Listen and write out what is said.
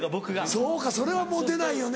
そうかそれはもう出ないよね。